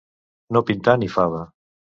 No pintar ni fava.